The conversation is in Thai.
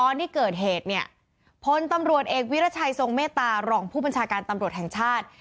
เนี่ยพลตำรวจเอกวิรัชัยทรงเมตตารองผู้บัญชาการตำรวจแห่งชาติ